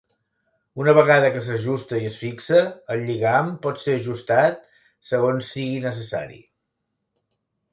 Una vegada que s'ajusta i es fixa, el lligam pot ser ajustat segons sigui necessari.